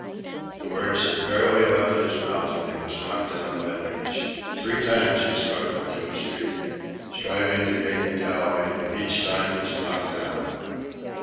The words had barely left his mouth when he was knocked down by Leach. Three times he struggled to his feet, striving to gain the galley, and each time was knocked down.